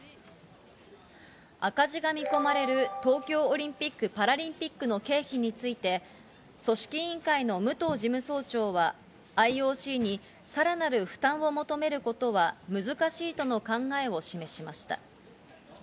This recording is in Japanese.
赤字が見込まれる東京オリンピック・パラリンピックの経費について、組織委員会の武藤事務総長は、ＩＯＣにさらなる負担を求めることは難しいとの考えを示しました。